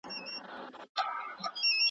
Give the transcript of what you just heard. که موزیم وي نو اثار نه ویجاړیږي.